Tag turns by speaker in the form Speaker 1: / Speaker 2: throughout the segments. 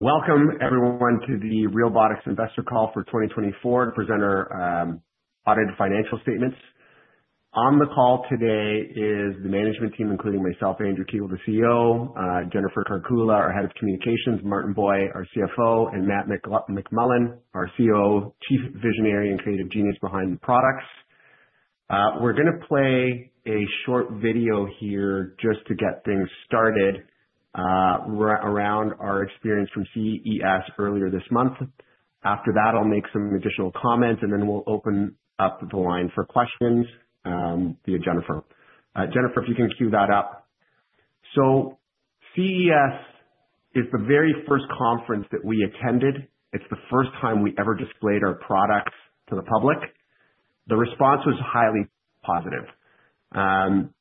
Speaker 1: Welcome, everyone, to the Realbotix Investor Call for 2024, to present our audited financial statements. On the call today is the management team, including myself, Andrew Kiguel, CEO; Jennifer Karkula, our head of communications; Martin Bui, our CFO; and Matt McMullen, CEO, Chief Visionary and creative genius behind the products. We're going to play a short video here just to get things started around our experience from CES earlier this month. After that, I'll make some additional comments, and then we'll open up the line for questions via Jennifer. Jennifer, if you can cue that up. CES is the very first conference that we attended. It's the first time we ever displayed our products to the public. The response was highly positive.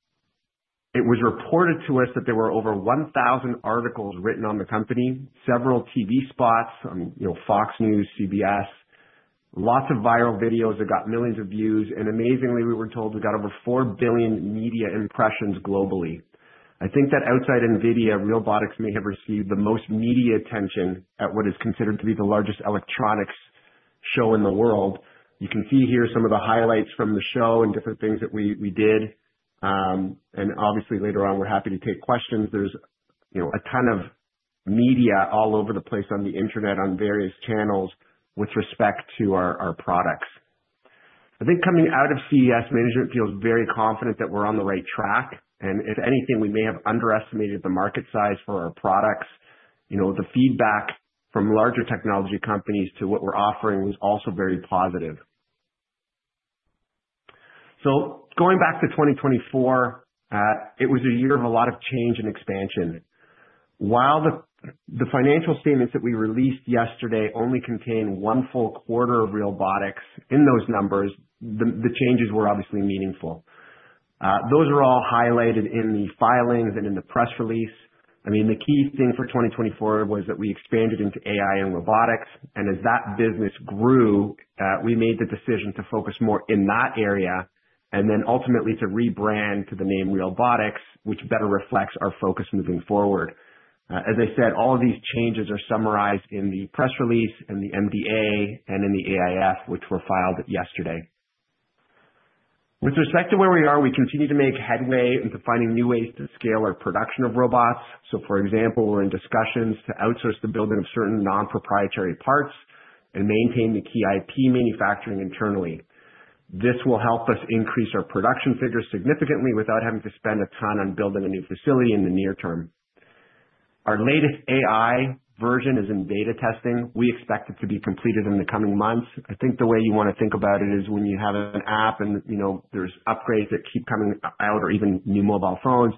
Speaker 1: It was reported to us that there were over 1,000 articles written on the company, several TV spots on Fox News, CBS, lots of viral videos that got millions of views, and amazingly, we were told we got over 4 billion media impressions globally. I think that outside NVIDIA, Realbotix may have received the most media attention at what is considered to be the largest electronics show in the world. You can see here some of the highlights from the show and different things that we did, and obviously, later on, we're happy to take questions. There's a ton of media all over the place on the internet on various channels with respect to our products. I think coming out of CES, management feels very confident that we're on the right track, and if anything, we may have underestimated the market size for our products. The feedback from larger technology companies to what we're offering was also very positive. So, going back to 2024, it was a year of a lot of change and expansion. While the financial statements that we released yesterday only contained one full quarter of Realbotix in those numbers, the changes were obviously meaningful. Those are all highlighted in the filings and in the press release. I mean, the key thing for 2024 was that we expanded into AI and robotics. And as that business grew, we made the decision to focus more in that area and then ultimately to rebrand to the name Realbotix, which better reflects our focus moving forward. As I said, all of these changes are summarized in the press release and the MD&A and in the AIF, which were filed yesterday. With respect to where we are, we continue to make headway into finding new ways to scale our production of robots. So, for example, we're in discussions to outsource the building of certain non-proprietary parts and maintain the key IP manufacturing internally. This will help us increase our production figures significantly without having to spend a ton on building a new facility in the near term. Our latest AI version is in beta testing. We expect it to be completed in the coming months. I think the way you want to think about it is when you have an app and there's upgrades that keep coming out or even new mobile phones,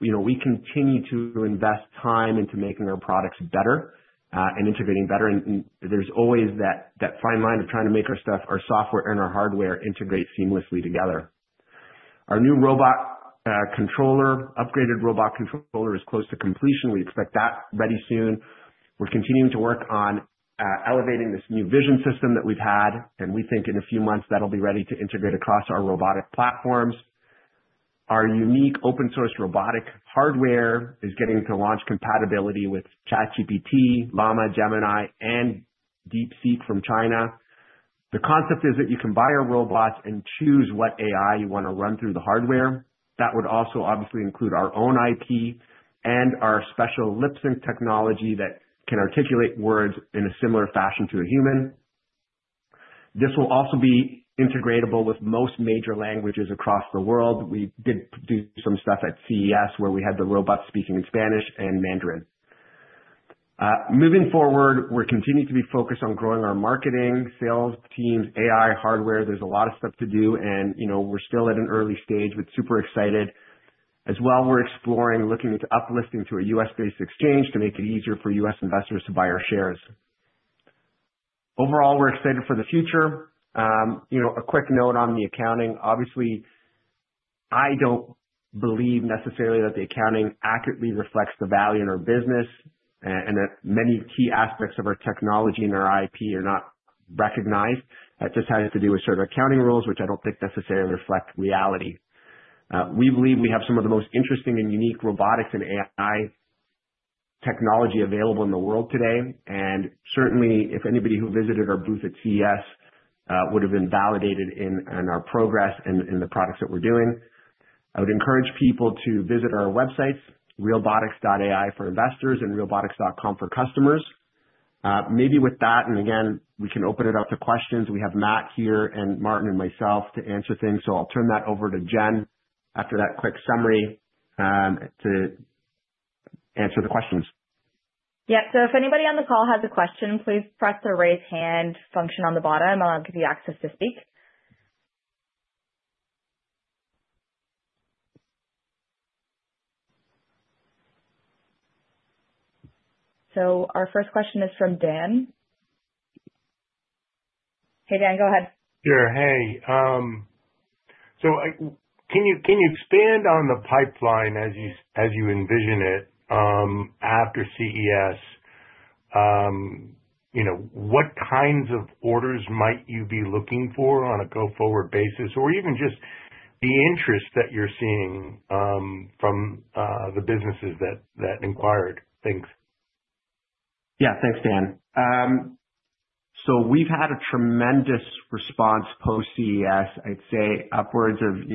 Speaker 1: we continue to invest time into making our products better and integrating better. And there's always that fine line of trying to make our software and our hardware integrate seamlessly together. Our new robot controller, upgraded robot controller, is close to completion. We expect that ready soon. We're continuing to work on elevating this new vision system that we've had. We think in a few months that'll be ready to integrate across our robotic platforms. Our unique open-source robotic hardware is getting to launch compatibility with ChatGPT, Llama, Gemini, and DeepSeek from China. The concept is that you can buy a robot and choose what AI you want to run through the hardware. That would also obviously include our own IP and our special lip sync technology that can articulate words in a similar fashion to a human. This will also be integratable with most major languages across the world. We did do some stuff at CES where we had the robots speaking in Spanish and Mandarin. Moving forward, we're continuing to be focused on growing our marketing, sales teams, AI hardware. There's a lot of stuff to do, and we're still at an early stage, but super excited. As well, we're exploring looking at uplisting to a U.S.-based exchange to make it easier for U.S. investors to buy our shares. Overall, we're excited for the future. A quick note on the accounting. Obviously, I don't believe necessarily that the accounting accurately reflects the value in our business and that many key aspects of our technology and our IP are not recognized. That just has to do with certain accounting rules, which I don't think necessarily reflect reality. We believe we have some of the most interesting and unique robotics and AI technology available in the world today. And certainly, if anybody who visited our booth at CES would have been validated in our progress and the products that we're doing. I would encourage people to visit our websites, realbotix.ai for investors and realbotix.com for customers. Maybe with that, and again, we can open it up to questions. We have Matt here and Martin and myself to answer things. So I'll turn that over to Jen after that quick summary to answer the questions.
Speaker 2: Yeah. So if anybody on the call has a question, please press the raise hand function on the bottom. I'll give you access to speak. So our first question is from Dan. Hey, Dan, go ahead.
Speaker 3: Sure. Hey. So can you expand on the pipeline as you envision it after CES? What kinds of orders might you be looking for on a go-forward basis or even just the interest that you're seeing from the businesses that inquired things?
Speaker 1: Yeah. Thanks, Dan. So we've had a tremendous response post-CES. I'd say upwards of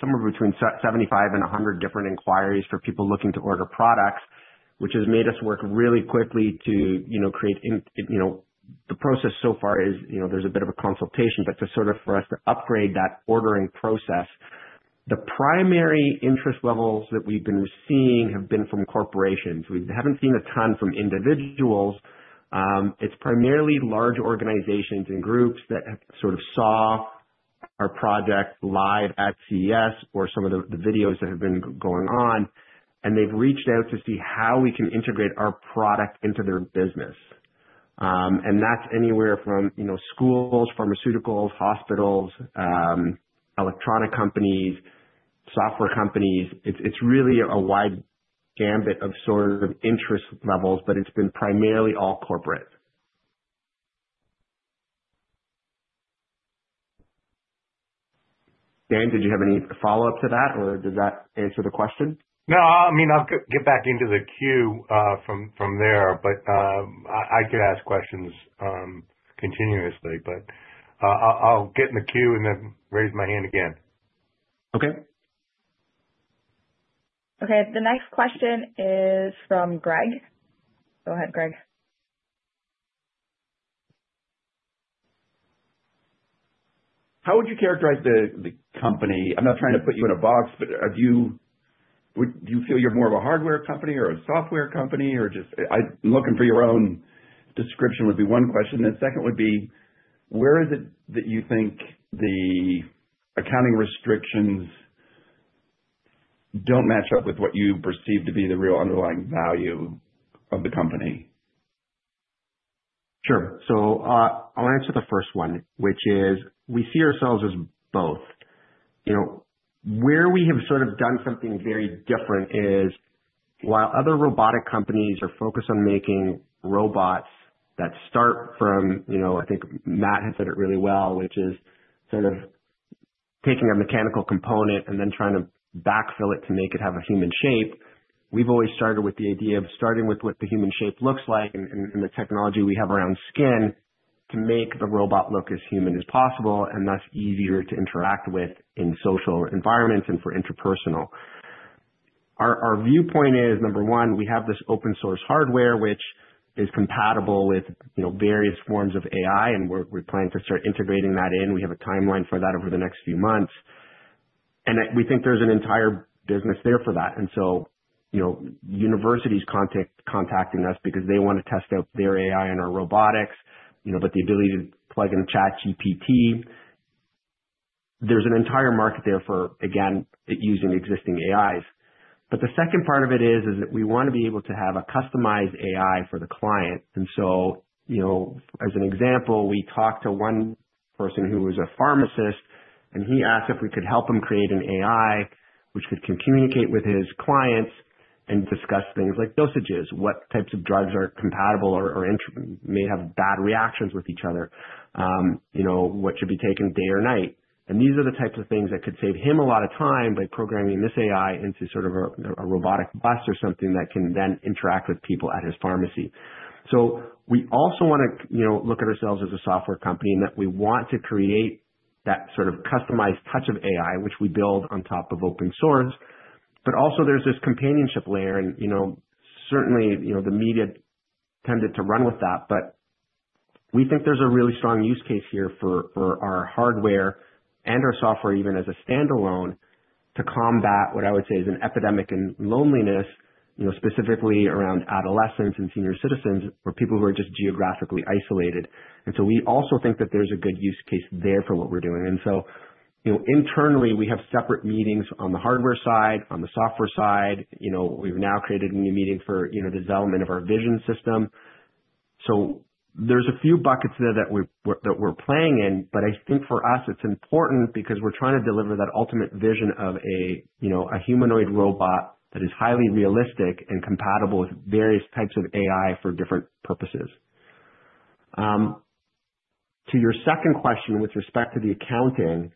Speaker 1: somewhere between 75 and 100 different inquiries for people looking to order products, which has made us work really quickly to create the process. So far is there's a bit of a consultation, but to sort of for us to upgrade that ordering process. The primary interest levels that we've been seeing have been from corporations. We haven't seen a ton from individuals. It's primarily large organizations and groups that sort of saw our project live at CES or some of the videos that have been going on. And they've reached out to see how we can integrate our product into their business. And that's anywhere from schools, pharmaceuticals, hospitals, electronic companies, software companies. It's really a wide gamut of sort of interest levels, but it's been primarily all corporate. Dan, did you have any follow-up to that, or does that answer the question?
Speaker 3: No, I mean, I'll get back into the queue from there, but I could ask questions continuously, but I'll get in the queue and then raise my hand again.
Speaker 1: Okay.
Speaker 2: Okay. The next question is from Greg. Go ahead, Greg.
Speaker 3: How would you characterize the company? I'm not trying to put you in a box, but do you feel you're more of a hardware company or a software company, or just looking for your own description, would be one question, and the second would be, where is it that you think the accounting restrictions don't match up with what you perceive to be the real underlying value of the company?
Speaker 1: Sure. So I'll answer the first one, which is we see ourselves as both. Where we have sort of done something very different is while other robotic companies are focused on making robots that start from, I think Matt had said it really well, which is sort of taking a mechanical component and then trying to backfill it to make it have a human shape. We've always started with the idea of starting with what the human shape looks like and the technology we have around skin to make the robot look as human as possible and thus easier to interact with in social environments and for interpersonal. Our viewpoint is, number one, we have this open-source hardware, which is compatible with various forms of AI, and we're planning to start integrating that in. We have a timeline for that over the next few months. And we think there's an entire business there for that. And so universities contacting us because they want to test out their AI and our robotics, but the ability to plug in ChatGPT, there's an entire market there for, again, using existing AIs. But the second part of it is that we want to be able to have a customized AI for the client. And so, as an example, we talked to one person who was a pharmacist, and he asked if we could help him create an AI which could communicate with his clients and discuss things like dosages, what types of drugs are compatible or may have bad reactions with each other, what should be taken day or night. These are the types of things that could save him a lot of time by programming this AI into sort of a robotic bus or something that can then interact with people at his pharmacy. We also want to look at ourselves as a software company in that we want to create that sort of customized touch of AI, which we build on top of open source. Also, there's this companionship layer. Certainly, the media tended to run with that, but we think there's a really strong use case here for our hardware and our software, even as a standalone, to combat what I would say is an epidemic in loneliness, specifically around adolescents and senior citizens or people who are just geographically isolated. We also think that there's a good use case there for what we're doing. Internally, we have separate meetings on the hardware side, on the software side. We've now created a new meeting for the development of our vision system. There's a few buckets there that we're playing in, but I think for us, it's important because we're trying to deliver that ultimate vision of a humanoid robot that is highly realistic and compatible with various types of AI for different purposes. To your second question with respect to the accounting,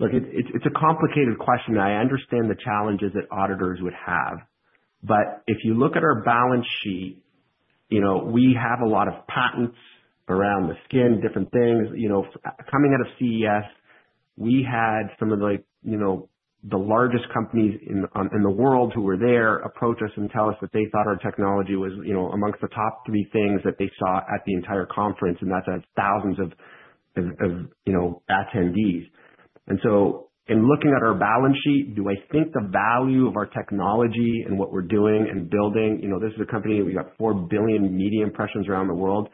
Speaker 1: look, it's a complicated question. I understand the challenges that auditors would have. If you look at our balance sheet, we have a lot of patents around the skin, different things. Coming out of CES, we had some of the largest companies in the world who were there approach us and tell us that they thought our technology was among the top three things that they saw at the entire conference, and that's at thousands of attendees. And so in looking at our balance sheet, do I think the value of our technology and what we're doing and building, this is a company that we got four billion media impressions around the world,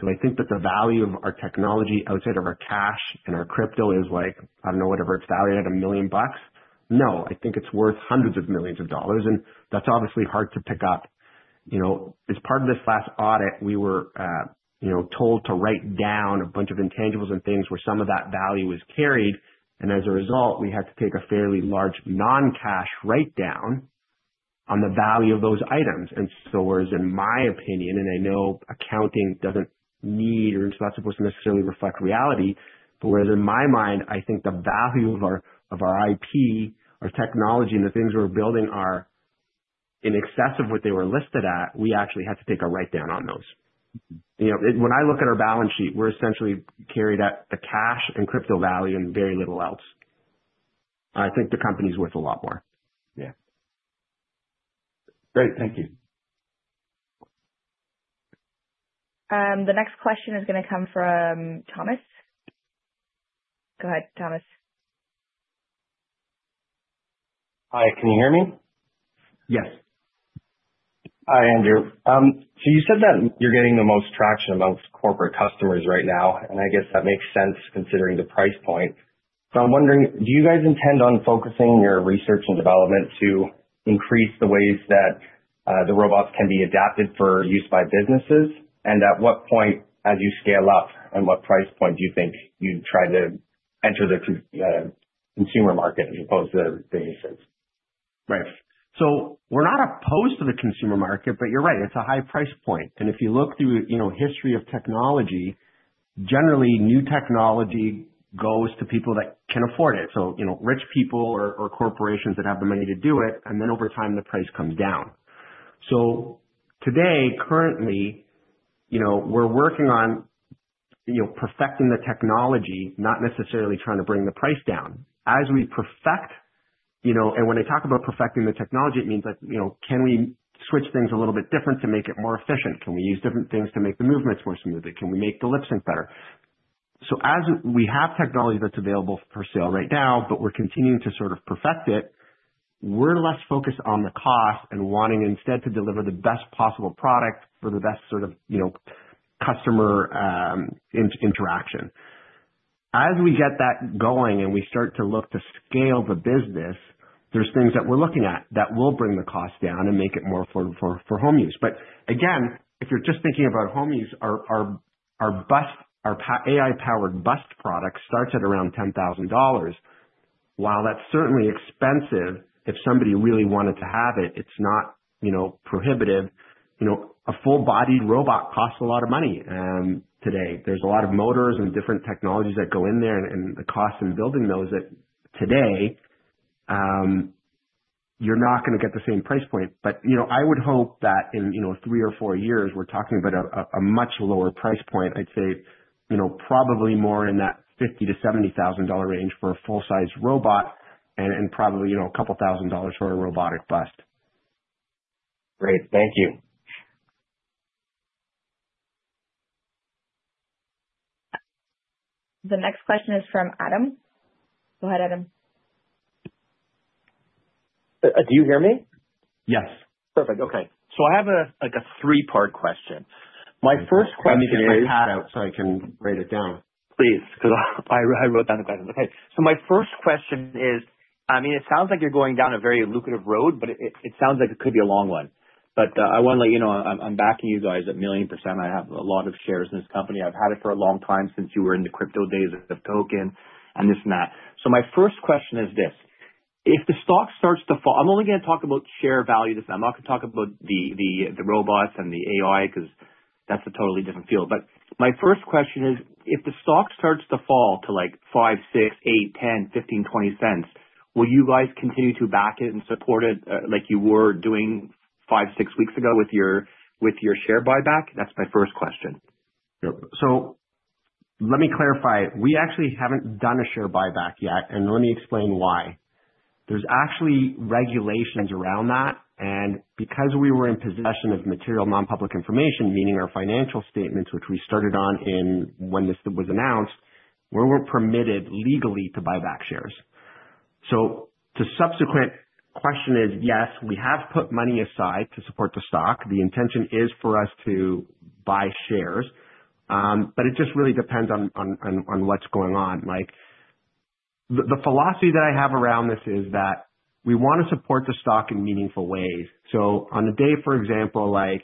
Speaker 1: do I think that the value of our technology outside of our cash and our crypto is like, I don't know, whatever it's valued at a million bucks? No, I think it's worth hundreds of millions of dollars. And that's obviously hard to pick up. As part of this last audit, we were told to write down a bunch of intangibles and things where some of that value is carried. And as a result, we had to take a fairly large non-cash write-down on the value of those items. And so whereas, in my opinion, and I know accounting doesn't heed or it's not supposed to necessarily reflect reality, but whereas in my mind, I think the value of our IP, our technology, and the things we're building are in excess of what they were listed at, we actually had to take a write-down on those. When I look at our balance sheet, we're essentially carried at the cash and crypto value and very little else. I think the company's worth a lot more. Yeah.
Speaker 3: Great. Thank you.
Speaker 2: The next question is going to come from Thomas. Go ahead, Thomas.
Speaker 4: Hi. Can you hear me?
Speaker 1: Yes.
Speaker 4: Hi, Andrew. So you said that you're getting the most traction amongst corporate customers right now. And I guess that makes sense considering the price point. So I'm wondering, do you guys intend on focusing your research and development to increase the ways that the robots can be adapted for use by businesses? And at what point, as you scale up, and what price point do you think you try to enter the consumer market as opposed to businesses?
Speaker 1: Right. So we're not opposed to the consumer market, but you're right. It's a high price point. And if you look through history of technology, generally, new technology goes to people that can afford it. So rich people or corporations that have the money to do it. And then over time, the price comes down. So today, currently, we're working on perfecting the technology, not necessarily trying to bring the price down. As we perfect, and when I talk about perfecting the technology, it means can we switch things a little bit different to make it more efficient? Can we use different things to make the movements more smooth? Can we make the lip sync better? So as we have technology that's available for sale right now, but we're continuing to sort of perfect it, we're less focused on the cost and wanting instead to deliver the best possible product for the best sort of customer interaction. As we get that going and we start to look to scale the business, there's things that we're looking at that will bring the cost down and make it more affordable for home use. But again, if you're just thinking about home use, our AI-powered bust product starts at around $10,000. While that's certainly expensive, if somebody really wanted to have it, it's not prohibitive. A full-bodied robot costs a lot of money today. There's a lot of motors and different technologies that go in there and the cost in building those that today, you're not going to get the same price point. But I would hope that in three or four years, we're talking about a much lower price point. I'd say probably more in that $50,000-$70,000 range for a full-size robot and probably $2,000 for a robotic bust.
Speaker 4: Great. Thank you.
Speaker 2: The next question is from Adam. Go ahead, Adam.
Speaker 3: Do you hear me?
Speaker 1: Yes.
Speaker 3: Perfect. Okay, so I have a three-part question. My first question is.
Speaker 1: I need to get a pad out so I can write it down.
Speaker 3: Please, because I wrote down the question. Okay. So my first question is, I mean, it sounds like you're going down a very lucrative road, but it sounds like it could be a long one. But I want to let you know I'm backing you guys at a million%. I have a lot of shares in this company. I've had it for a long time since you were in the crypto days of Tokens and this and that. So my first question is this: if the stock starts to fall, I'm only going to talk about share value this time. I'm not going to talk about the robots and the AI because that's a totally different field. But my first question is, if the stock starts to fall to like 0.05, 0.06, 0.08, 0.10, 0.15, 0.20, will you guys continue to back it and support it like you were doing five, six weeks ago with your share buyback? That's my first question.
Speaker 1: Yep, so let me clarify. We actually haven't done a share buyback yet, and let me explain why. There's actually regulations around that, and because we were in possession of material nonpublic information, meaning our financial statements, which we started on when this was announced, we were permitted legally to buy back shares, so the subsequent question is, yes, we have put money aside to support the stock. The intention is for us to buy shares, but it just really depends on what's going on. The philosophy that I have around this is that we want to support the stock in meaningful ways. So on a day, for example, like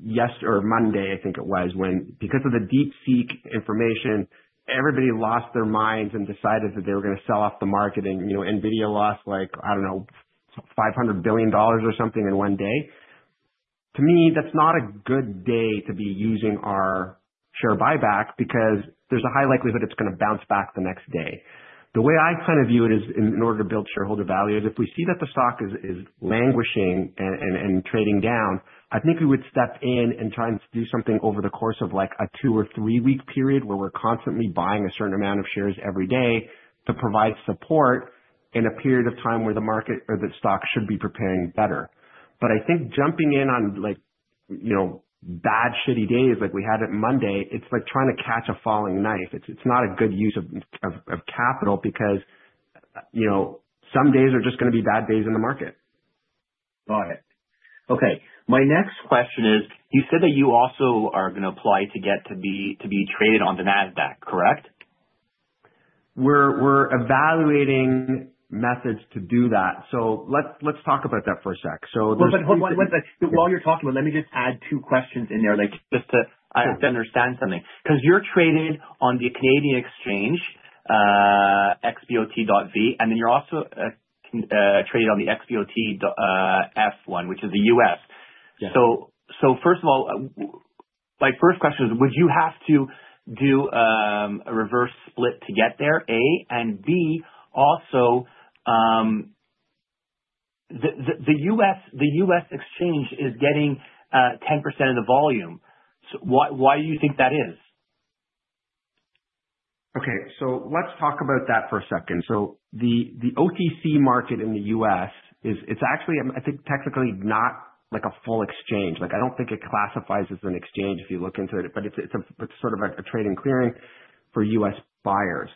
Speaker 1: yesterday or Monday, I think it was, when because of the DeepSeek information, everybody lost their minds and decided that they were going to sell off the market and NVIDIA lost, I don't know, $500 billion or something in one day. To me, that's not a good day to be using our share buyback because there's a high likelihood it's going to bounce back the next day. The way I kind of view it is in order to build shareholder value is if we see that the stock is languishing and trading down. I think we would step in and try and do something over the course of like a two or three-week period where we're constantly buying a certain amount of shares every day to provide support in a period of time where the market or the stock should be preparing better. But I think jumping in on bad shitty days like we had it Monday, it's like trying to catch a falling knife. It's not a good use of capital because some days are just going to be bad days in the market.
Speaker 3: Got it. Okay. My next question is, you said that you also are going to apply to get to be traded on the NASDAQ, correct?
Speaker 1: We're evaluating methods to do that. So let's talk about that for a sec. So there's.
Speaker 3: Hold on. While you're talking, let me just add two questions in there just to understand something. Because you're traded on the Canadian exchange, XBOT.V, and then you're also traded on the XBOTF, which is the U.S. So first of all, my first question is, would you have to do a reverse split to get there, A? And B, also, the U.S. exchange is getting 10% of the volume. Why do you think that is?
Speaker 1: Okay. So let's talk about that for a second. So the OTC market in the U.S., it's actually, I think, technically not a full exchange. I don't think it classifies as an exchange if you look into it, but it's sort of a trading clearing for U.S. buyers.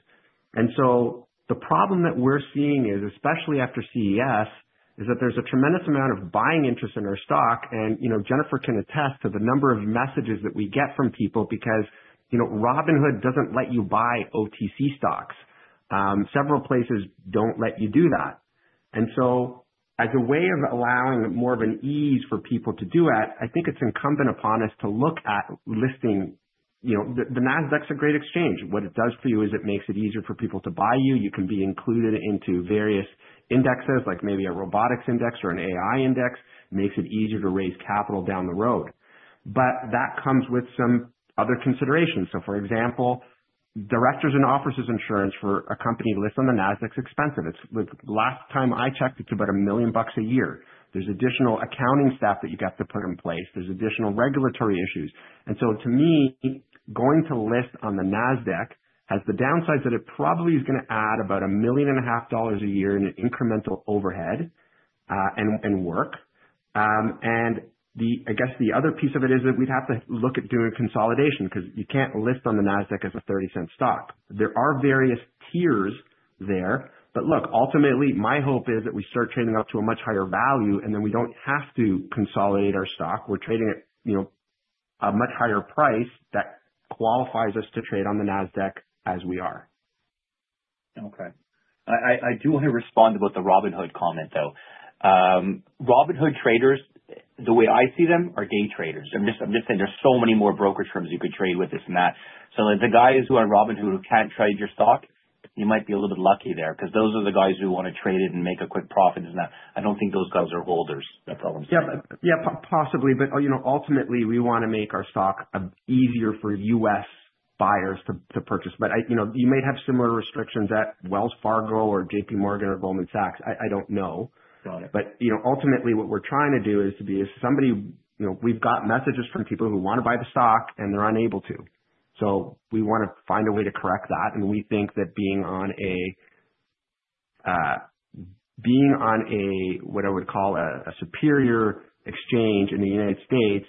Speaker 1: And so the problem that we're seeing is, especially after CES, is that there's a tremendous amount of buying interest in our stock. And Jennifer can attest to the number of messages that we get from people because Robinhood doesn't let you buy OTC stocks. Several places don't let you do that. And so as a way of allowing more of an ease for people to do it, I think it's incumbent upon us to look at listing. The NASDAQ's a great exchange. What it does for you is it makes it easier for people to buy you. You can be included into various indexes, like maybe a robotics index or an AI index. It makes it easier to raise capital down the road. But that comes with some other considerations. So for example, directors and officers insurance for a company listed on the NASDAQ is expensive. Last time I checked, it's about $1 million a year. There's additional accounting staff that you got to put in place. There's additional regulatory issues. And so to me, going to list on the NASDAQ has the downside that it probably is going to add about $1.5 million a year in incremental overhead and work. And I guess the other piece of it is that we'd have to look at doing consolidation because you can't list on the NASDAQ as a $0.30 stock. There are various tiers there. But look, ultimately, my hope is that we start trading up to a much higher value, and then we don't have to consolidate our stock. We're trading at a much higher price that qualifies us to trade on the NASDAQ as we are.
Speaker 3: Okay. I do want to respond to both the Robinhood comment, though. Robinhood traders, the way I see them, are day traders. I'm just saying there's so many more broker terms you could trade with this and that. So the guys who are Robinhood who can't trade your stock, you might be a little bit lucky there because those are the guys who want to trade it and make a quick profit and that. I don't think those guys are holders. No problem.
Speaker 1: Yeah. Possibly. But ultimately, we want to make our stock easier for US buyers to purchase. But you might have similar restrictions at Wells Fargo or JP Morgan or Goldman Sachs. I don't know. But ultimately, what we're trying to do is to be somebody we've got messages from people who want to buy the stock, and they're unable to. So we want to find a way to correct that. And we think that being on a, what I would call, a superior exchange in the United States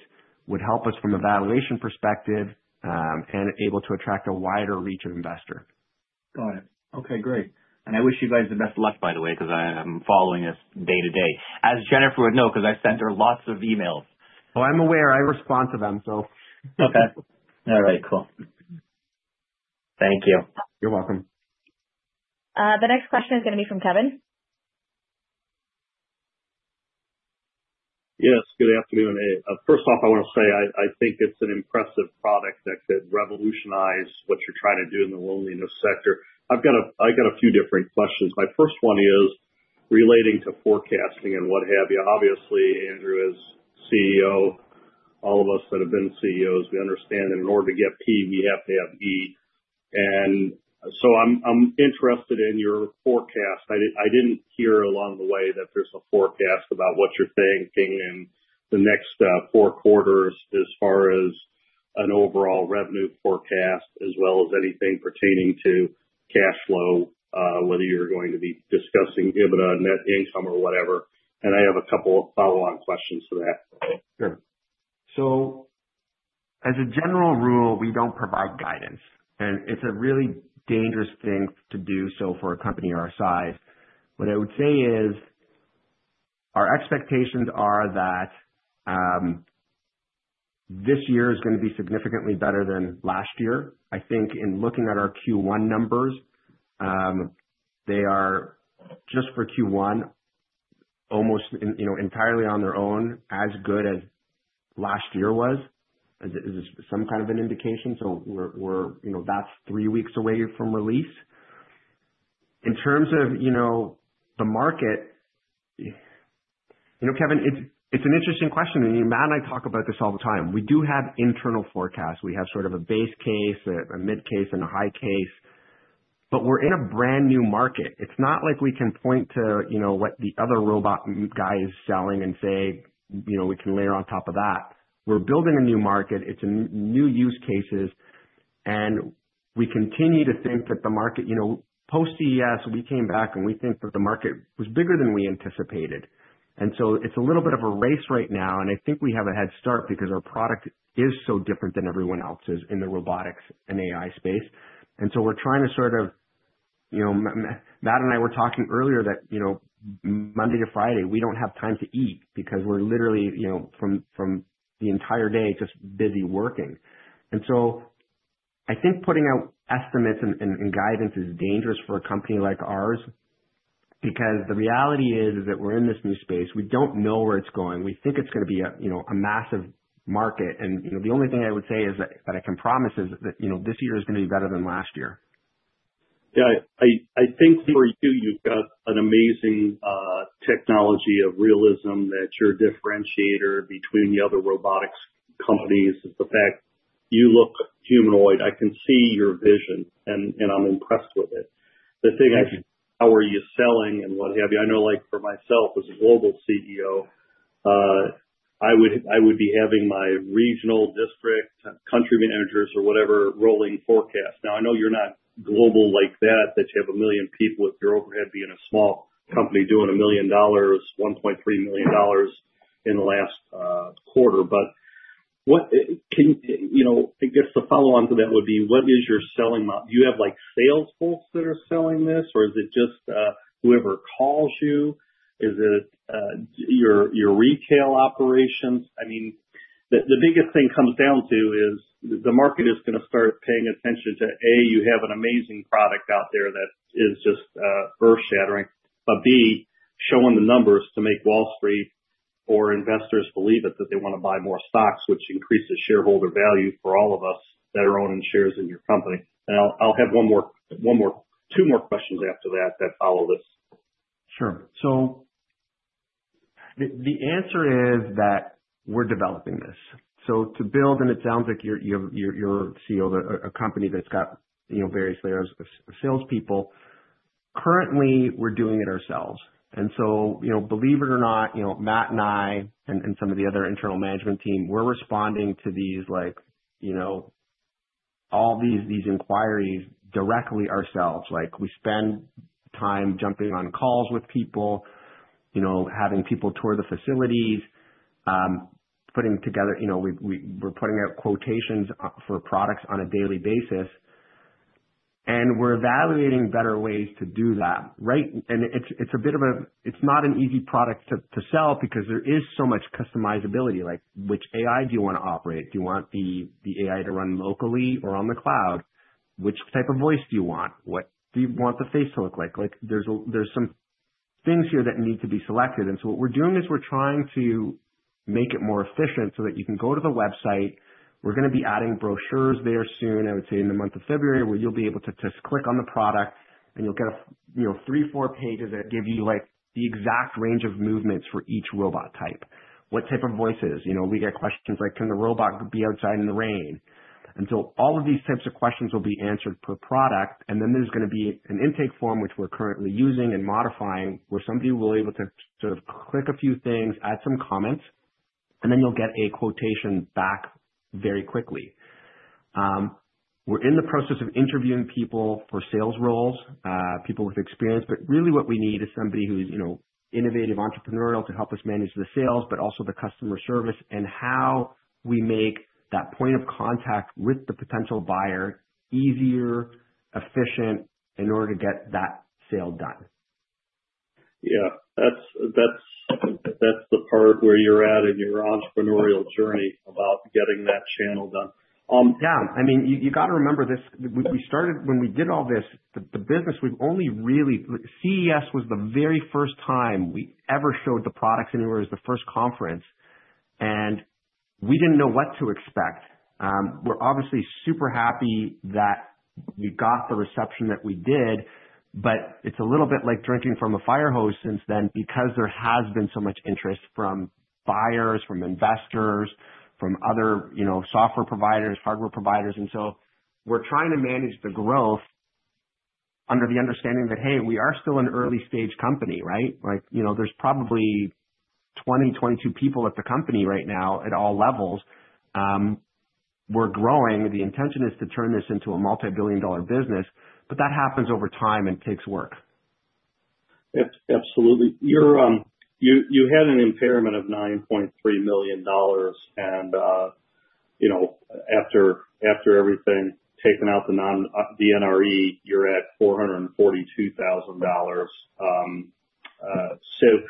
Speaker 1: would help us from a valuation perspective and able to attract a wider reach of investors.
Speaker 3: Got it. Okay. Great. And I wish you guys the best luck, by the way, because I am following this day to day. As Jennifer would know, because I sent her lots of emails.
Speaker 1: Oh, I'm aware. I respond to them, so.
Speaker 3: Okay. All right. Cool. Thank you.
Speaker 1: You're welcome.
Speaker 2: The next question is going to be from Kevin.
Speaker 5: Yes. Good afternoon. First off, I want to say I think it's an impressive product that could revolutionize what you're trying to do in the loneliness sector. I've got a few different questions. My first one is relating to forecasting and what have you. Obviously, Andrew is CEO. All of us that have been CEOs, we understand that in order to get P, we have to have E. And so I'm interested in your forecast. I didn't hear along the way that there's a forecast about what you're thinking in the next four quarters as far as an overall revenue forecast, as well as anything pertaining to cash flow, whether you're going to be discussing net income or whatever. And I have a couple of follow-on questions to that.
Speaker 1: Sure. So as a general rule, we don't provide guidance, and it's a really dangerous thing to do so for a company our size. What I would say is our expectations are that this year is going to be significantly better than last year. I think in looking at our Q1 numbers, they are just for Q1, almost entirely on their own, as good as last year was. Is this some kind of an indication, so that's three weeks away from release? In terms of the market, Kevin, it's an interesting question. Matt and I talk about this all the time. We do have internal forecasts. We have sort of a base case, a mid case, and a high case, but we're in a brand new market. It's not like we can point to what the other robot guy is selling and say we can layer on top of that. We're building a new market. It's new use cases. And we continue to think that the market post-CES, we came back and we think that the market was bigger than we anticipated. And so it's a little bit of a race right now. And I think we have a head start because our product is so different than everyone else's in the robotics and AI space. And so we're trying to sort of, Matt and I were talking earlier, that Monday to Friday, we don't have time to eat because we're literally from the entire day just busy working. And so I think putting out estimates and guidance is dangerous for a company like ours because the reality is that we're in this new space. We don't know where it's going. We think it's going to be a massive market. The only thing I would say that I can promise is that this year is going to be better than last year.
Speaker 5: Yeah. I think for you, you've got an amazing technology of realism that your differentiator between the other robotics companies is the fact you look humanoid. I can see your vision, and I'm impressed with it. The thing I can see how are you selling and what have you. I know for myself as a global CEO, I would be having my regional district country managers or whatever rolling forecast. Now, I know you're not global like that, that you have a million people with your overhead being a small company doing a million dollars, $1.3 million in the last quarter. But I guess the follow-on to that would be, what is your selling? Do you have sales folks that are selling this, or is it just whoever calls you? Is it your retail operations? I mean, the biggest thing comes down to is the market is going to start paying attention to, A, you have an amazing product out there that is just earth-shattering, but B, showing the numbers to make Wall Street or investors believe it that they want to buy more stocks, which increases shareholder value for all of us that are owning shares in your company. And I'll have one more, two more questions after that that follow this.
Speaker 1: Sure. So the answer is that we're developing this. So to build, and it sounds like you're a CEO of a company that's got various layers of salespeople. Currently, we're doing it ourselves. And so believe it or not, Matt and I and some of the other internal management team, we're responding to all these inquiries directly ourselves. We spend time jumping on calls with people, having people tour the facilities, putting out quotations for products on a daily basis. And we're evaluating better ways to do that. And it's a bit of a. It's not an easy product to sell because there is so much customizability. Which AI do you want to operate? Do you want the AI to run locally or on the cloud? Which type of voice do you want? What do you want the face to look like? There's some things here that need to be selected. And so what we're doing is we're trying to make it more efficient so that you can go to the website. We're going to be adding brochures there soon, I would say, in the month of February where you'll be able to just click on the product, and you'll get three, four pages that give you the exact range of movements for each robot type. What type of voices? We get questions like, can the robot be outside in the rain? And so all of these types of questions will be answered per product. And then there's going to be an intake form, which we're currently using and modifying, where somebody will be able to sort of click a few things, add some comments, and then you'll get a quotation back very quickly. We're in the process of interviewing people for sales roles, people with experience, but really, what we need is somebody who's innovative, entrepreneurial to help us manage the sales, but also the customer service and how we make that point of contact with the potential buyer easier, efficient in order to get that sale done.
Speaker 5: Yeah. That's the part where you're at in your entrepreneurial journey about getting that channel done.
Speaker 1: Yeah. I mean, you got to remember this. When we did all this, the business. We've only really CES was the very first time we ever showed the products anywhere as the first conference, and we didn't know what to expect. We're obviously super happy that we got the reception that we did, but it's a little bit like drinking from a fire hose since then because there has been so much interest from buyers, from investors, from other software providers, hardware providers, and so we're trying to manage the growth under the understanding that, hey, we are still an early-stage company, right? There's probably 20, 22 people at the company right now at all levels. We're growing. The intention is to turn this into a multi-billion-dollar business, but that happens over time and takes work.
Speaker 5: Absolutely. You had an impairment of $9.3 million. And after everything, taken out the NRE, you're at $442,000. So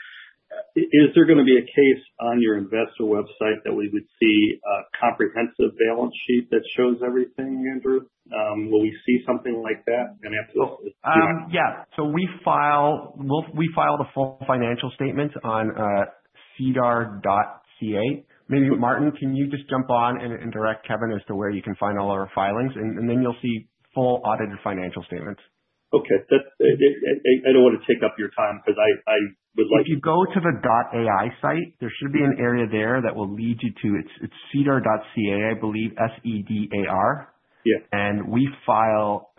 Speaker 5: is there going to be a case on your investor website that we would see a comprehensive balance sheet that shows everything, Andrew? Will we see something like that?
Speaker 1: Yeah, so we file the full financial statements on sedarplus.ca. Maybe Martin, can you just jump on and direct Kevin as to where you can find all our filings, and then you'll see full audited financial statements.
Speaker 5: Okay. I don't want to take up your time because I would like.
Speaker 1: If you go to the dot AI site, there should be an area there that will lead you to its SEDAR.ca, I believe, S-E-D-A-R. And we file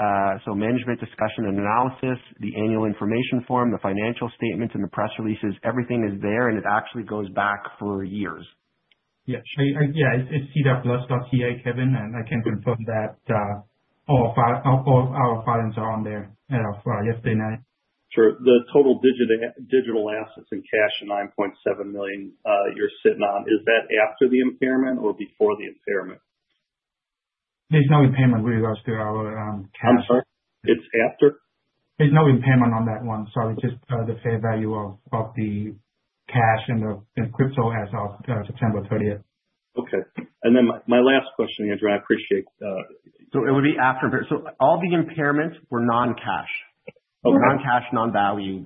Speaker 1: so Management's Discussion and Analysis, the Annual Information Form, the financial statements, and the press releases. Everything is there, and it actually goes back for years.
Speaker 6: Yeah. It's SEDARplus.ca, Kevin. And I can confirm that all our filings are on there yesterday night.
Speaker 5: Sure. The total digital assets and cash of 9.7 million you're sitting on, is that after the impairment or before the impairment?
Speaker 6: There's no impairment with regards to our cash.
Speaker 5: I'm sorry? It's after?
Speaker 6: There's no impairment on that one. Sorry. Just the fair value of the cash and the crypto as of September 30th.
Speaker 5: Okay, and then my last question, Andrew, and I appreciate. So it would be after. So all the impairments were non-cash. Non-cash, non-value.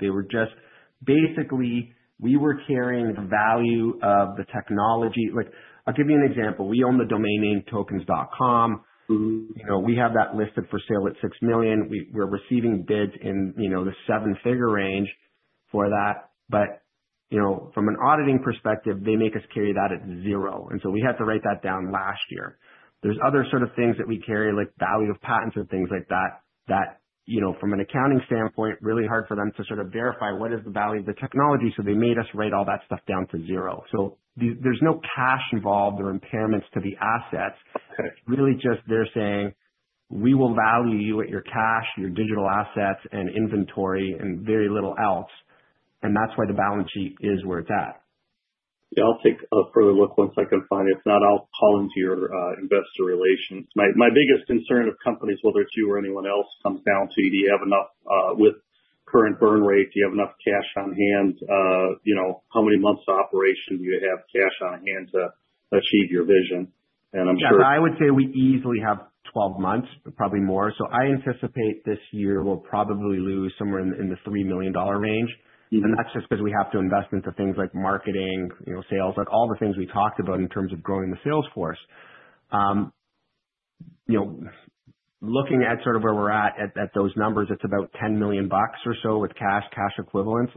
Speaker 5: Basically, we were carrying the value of the technology. I'll give you an example. We own the domain name Tokens.com. We have that listed for sale at 6 million. We're receiving bids in the seven-figure range for that. But from an auditing perspective, they make us carry that at zero. And so we had to write that down last year. There's other sort of things that we carry, like value of patents and things like that, that from an accounting standpoint, really hard for them to sort of verify what is the value of the technology. So they made us write all that stuff down to zero. So there's no cash involved or impairments to the assets. It's really just they're saying, "We will value you at your cash, your digital assets, and inventory, and very little else," and that's why the balance sheet is where it's at.
Speaker 1: Yeah. I'll take a further look once I can find it. If not, I'll call into your investor relations. My biggest concern of companies, whether it's you or anyone else, comes down to, do you have enough with current burn rate? Do you have enough cash on hand? How many months of operation do you have cash on hand to achieve your vision? And I'm sure.
Speaker 6: Yeah. I would say we easily have 12 months, probably more. So I anticipate this year we'll probably lose somewhere in the $3 million range. And that's just because we have to invest into things like marketing, sales, all the things we talked about in terms of growing the sales force. Looking at sort of where we're at those numbers, it's about 10 million bucks or so with cash, cash equivalents.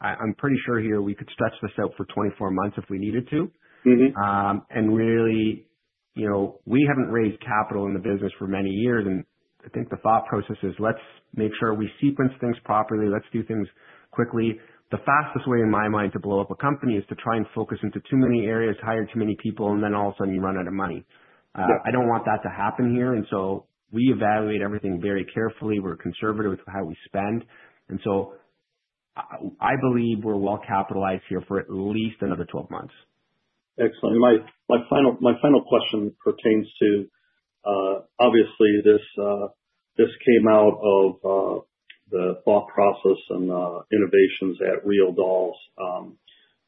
Speaker 6: I'm pretty sure here we could stretch this out for 24 months if we needed to. And really, we haven't raised capital in the business for many years. And I think the thought process is, let's make sure we sequence things properly. Let's do things quickly. The fastest way in my mind to blow up a company is to try and focus into too many areas, hire too many people, and then all of a sudden you run out of money. I don't want that to happen here. And so we evaluate everything very carefully. We're conservative with how we spend. And so I believe we're well capitalized here for at least another 12 months.
Speaker 5: Excellent. My final question pertains to, obviously, this came out of the thought process and innovations at RealDoll.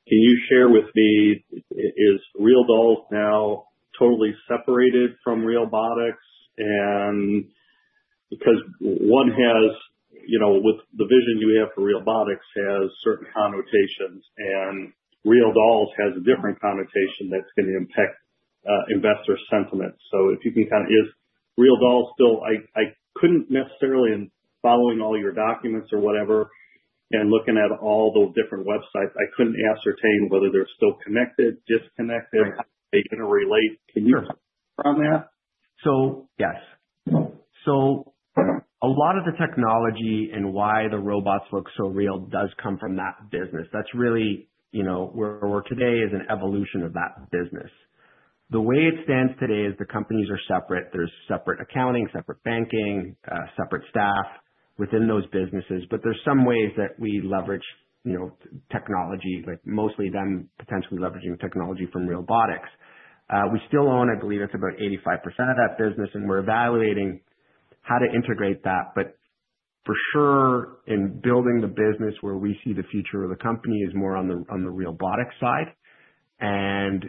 Speaker 5: Can you share with me, is RealDoll now totally separated from Realbotix? Because one has, with the vision you have for Realbotix, has certain connotations. And RealDoll has a different connotation that's going to impact investor sentiment. So if you can kind of, is RealDoll still, I couldn't necessarily, following all your documents or whatever, and looking at all those different websites, I couldn't ascertain whether they're still connected, disconnected, how they interrelate. Can you comment on that?
Speaker 6: Sure. Yes. So a lot of the technology and why the robots look so real does come from that business. That's really where we're today is an evolution of that business. The way it stands today is the companies are separate. There's separate accounting, separate banking, separate staff within those businesses. But there's some ways that we leverage technology, mostly them potentially leveraging technology from Realbotix. We still own, I believe it's about 85% of that business. And we're evaluating how to integrate that. But for sure, in building the business where we see the future of the company is more on the Realbotix side. And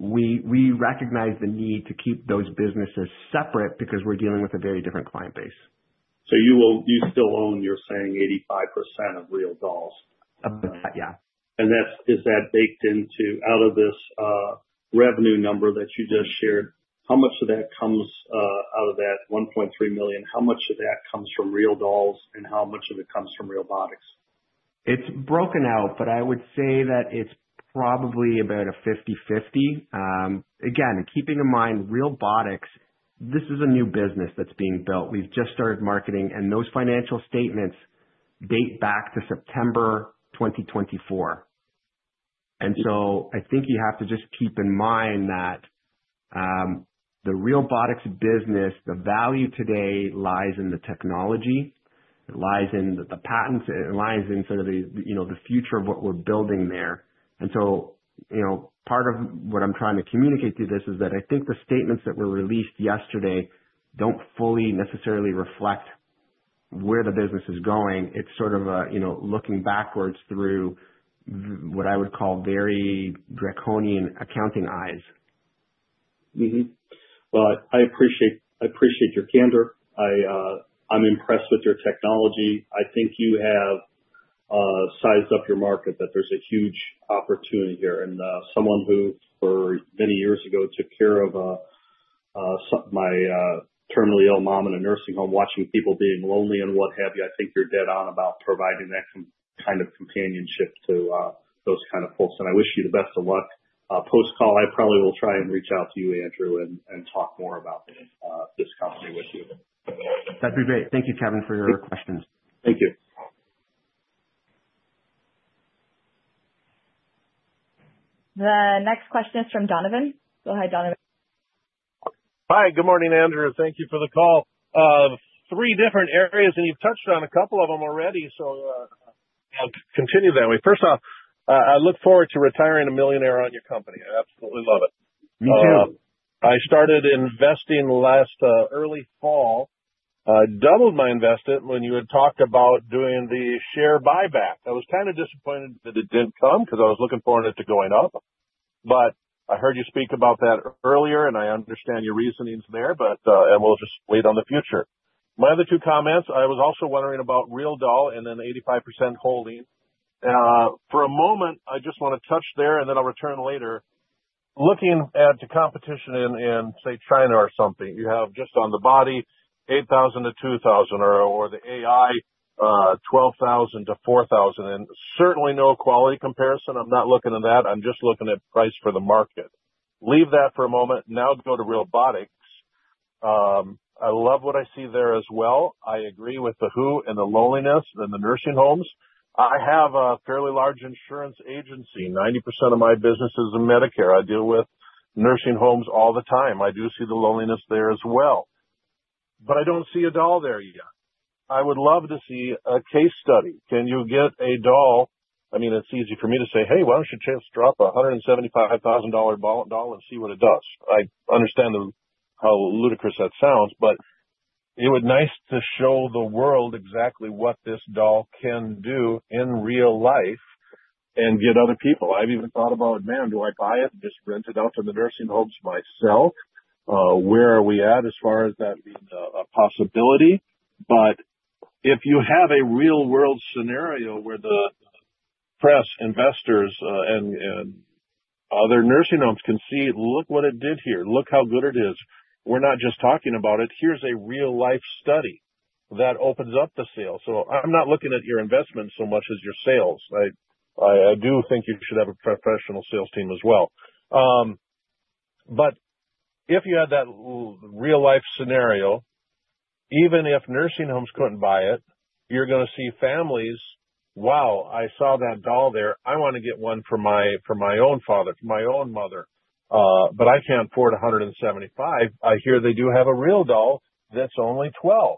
Speaker 6: we recognize the need to keep those businesses separate because we're dealing with a very different client base.
Speaker 5: So you still own, you're saying, 85% of RealDoll?
Speaker 6: Of that, yeah.
Speaker 5: And is that baked into this revenue number that you just shared, how much of that comes out of that 1.3 million? How much of that comes from RealDoll, and how much of it comes from Realbotix?
Speaker 6: It's broken out, but I would say that it's probably about a 50/50. Again, keeping in mind Realbotix, this is a new business that's being built. We've just started marketing, and those financial statements date back to September 2024, and so I think you have to just keep in mind that the Realbotix business, the value today lies in the technology. It lies in the patents. It lies in sort of the future of what we're building there, and so part of what I'm trying to communicate through this is that I think the statements that were released yesterday don't fully necessarily reflect where the business is going. It's sort of looking backwards through what I would call very draconian accounting eyes.
Speaker 5: I appreciate your candor. I'm impressed with your technology. I think you have sized up your market, that there's a huge opportunity here. Someone who, for many years ago, took care of my terminally ill mom in a nursing home, watching people being lonely and what have you, I think you're dead on about providing that kind of companionship to those kind of folks. I wish you the best of luck. Post-call, I probably will try and reach out to you, Andrew, and talk more about this company with you.
Speaker 6: That'd be great. Thank you, Kevin, for your questions.
Speaker 5: Thank you.
Speaker 2: The next question is from Donovan. Go ahead, Donovan.
Speaker 7: Hi. Good morning, Andrew. Thank you for the call. Three different areas, and you've touched on a couple of them already, so I'll continue that way. First off, I look forward to retiring a millionaire on your company. I absolutely love it.
Speaker 1: Me too.
Speaker 7: I started investing last early fall. I doubled my investment when you had talked about doing the share buyback. I was kind of disappointed that it didn't come because I was looking forward to it going up. But I heard you speak about that earlier, and I understand your reasonings there, and we'll just wait on the future. My other two comments, I was also wondering about RealDoll and then 85% holding. For a moment, I just want to touch there, and then I'll return later. Looking at the competition in, say, China or something, you have just on the body, $8,000-$2,000, or the AI, $12,000-$4,000. And certainly no quality comparison. I'm not looking at that. I'm just looking at price for the market. Leave that for a moment. Now go to Realbotix. I love what I see there as well. I agree with the woe and the loneliness and the nursing homes. I have a fairly large insurance agency. 90% of my business is in Medicare. I deal with nursing homes all the time. I do see the loneliness there as well. But I don't see a doll there yet. I would love to see a case study. Can you get a doll? I mean, it's easy for me to say, "Hey, why don't you just drop a $175,000 bot and doll and see what it does?" I understand how ludicrous that sounds, but it would be nice to show the world exactly what this doll can do in real life and get other people. I've even thought about, "Man, do I buy it and just rent it out to the nursing homes myself?" Where are we at as far as that being a possibility? But if you have a real-world scenario where the press, investors, and other nursing homes can see, "Look what it did here. Look how good it is. We're not just talking about it. Here's a real-life study that opens up the sale." So I'm not looking at your investment so much as your sales. I do think you should have a professional sales team as well. But if you had that real-life scenario, even if nursing homes couldn't buy it, you're going to see families, "Wow, I saw that doll there. I want to get one for my own father, for my own mother. But I can't afford $175. I hear they do have a RealDoll that's only $12."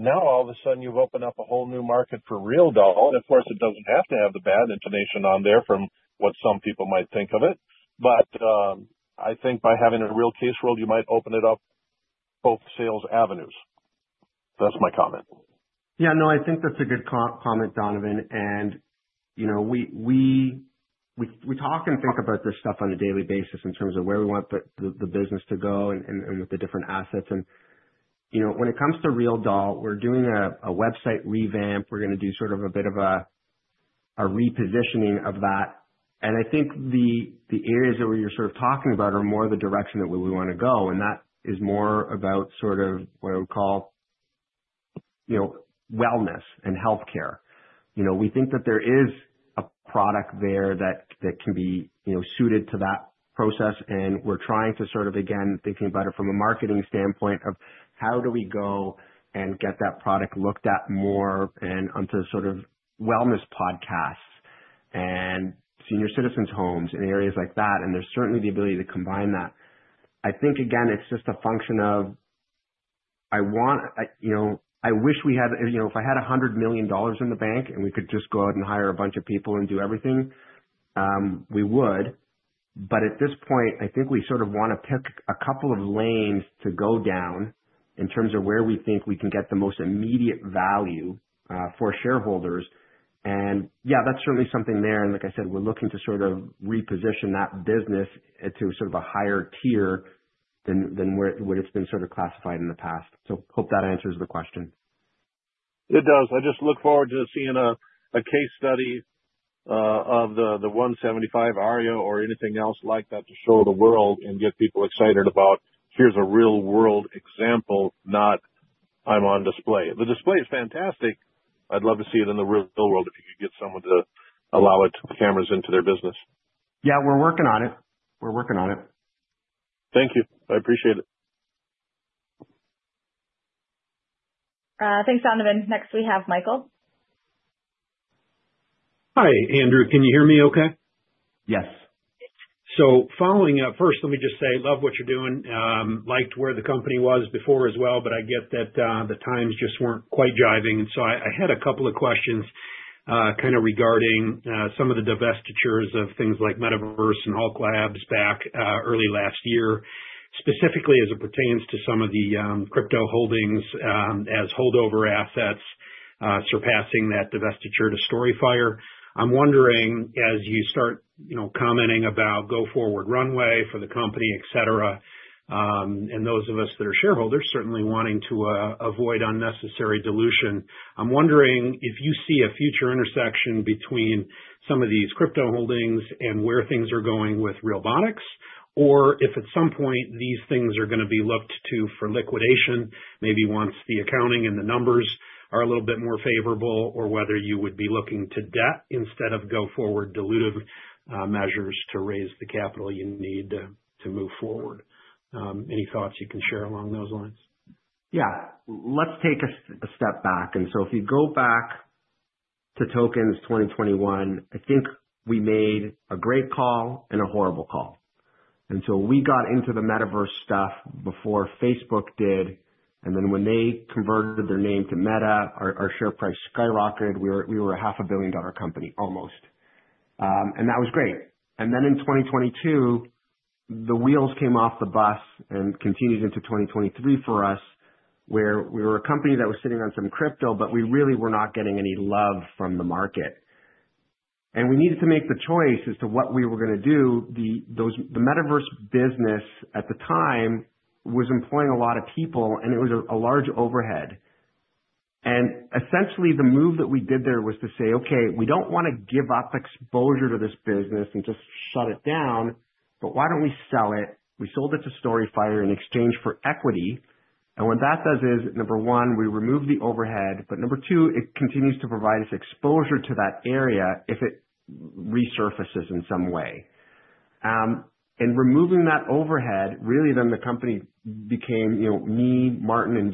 Speaker 7: Now, all of a sudden, you've opened up a whole new market for RealDoll. Of course, it doesn't have to have the bad connotation on there from what some people might think of it. But I think by having a real-world case, you might open up both sales avenues. That's my comment.
Speaker 1: Yeah. No, I think that's a good comment, Donovan. And we talk and think about this stuff on a daily basis in terms of where we want the business to go and with the different assets. And when it comes to RealDoll, we're doing a website revamp. We're going to do sort of a bit of a repositioning of that. And I think the areas that we were sort of talking about are more the direction that we want to go. And that is more about sort of what I would call wellness and healthcare. We think that there is a product there that can be suited to that process. We're trying to sort of, again, thinking about it from a marketing standpoint of how do we go and get that product looked at more and onto sort of wellness podcasts and senior citizens' homes and areas like that. There's certainly the ability to combine that. I think, again, it's just a function of I wish we had if I had $100 million in the bank and we could just go out and hire a bunch of people and do everything, we would. But at this point, I think we sort of want to pick a couple of lanes to go down in terms of where we think we can get the most immediate value for shareholders. Yeah, that's certainly something there. And like I said, we're looking to sort of reposition that business to sort of a higher tier than what it's been sort of classified in the past. So hope that answers the question.
Speaker 7: It does. I just look forward to seeing a case study of the 175 Aria or anything else like that to show the world and get people excited about, "Here's a real-world example," not, "I'm on display." The display is fantastic. I'd love to see it in the real world if you could get someone to allow it, cameras into their business.
Speaker 1: Yeah. We're working on it. We're working on it.
Speaker 7: Thank you. I appreciate it.
Speaker 2: Thanks, Donovan. Next, we have Michael.
Speaker 8: Hi, Andrew. Can you hear me okay?
Speaker 1: Yes.
Speaker 8: So following up, first, let me just say I love what you're doing. Liked where the company was before as well, but I get that the times just weren't quite jiving. And so I had a couple of questions kind of regarding some of the divestitures of things like Metaverse Group and Hulk Labs back early last year, specifically as it pertains to some of the crypto holdings as holdover assets surpassing that divestiture to StoryFire. I'm wondering, as you start commenting about go-forward runway for the company, etc., and those of us that are shareholders certainly wanting to avoid unnecessary dilution, I'm wondering if you see a future intersection between some of these crypto holdings and where things are going with Realbotix, or if at some point these things are going to be looked to for liquidation, maybe once the accounting and the numbers are a little bit more favorable, or whether you would be looking to debt instead of go-forward dilutive measures to raise the capital you need to move forward. Any thoughts you can share along those lines?
Speaker 1: Yeah. Let's take a step back. And so if you go back to Tokens 2021, I think we made a great call and a horrible call. And so we got into the Metaverse stuff before Facebook did. And then when they converted their name to Meta, our share price skyrocketed. We were a $500 million company, almost. And that was great. And then in 2022, the wheels came off the bus and continued into 2023 for us, where we were a company that was sitting on some crypto, but we really were not getting any love from the market. And we needed to make the choice as to what we were going to do. The Metaverse business at the time was employing a lot of people, and it was a large overhead. Essentially, the move that we did there was to say, "Okay, we don't want to give up exposure to this business and just shut it down, but why don't we sell it?" We sold it to StoryFire in exchange for equity. And what that does is, number one, we remove the overhead, but number two, it continues to provide us exposure to that area if it resurfaces in some way. And removing that overhead, really, then the company became me, Martin, and